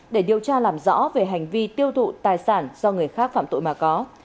để điều tra làm rõ về hành vi tiêu thụ tài sản do người khác phạm tội mà có